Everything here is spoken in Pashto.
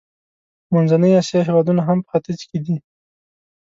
منځنۍ اسیا هېوادونه هم په ختیځ کې دي.